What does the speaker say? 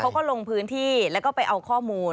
เขาก็ลงพื้นที่แล้วก็ไปเอาข้อมูล